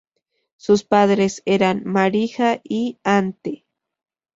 Sus padres eran Marija y Ante.